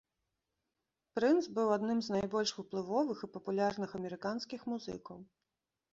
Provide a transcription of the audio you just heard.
Прынц быў адным з найбольш уплывовых і папулярных амерыканскіх музыкаў.